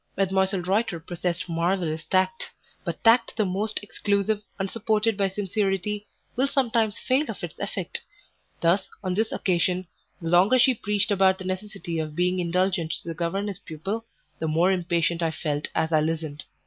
Mdlle. Reuter possessed marvellous tact; but tact the most exclusive, unsupported by sincerity, will sometimes fail of its effect; thus, on this occasion, the longer she preached about the necessity of being indulgent to the governess pupil, the more impatient I felt as I listened.